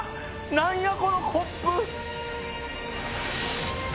何やこのコップ！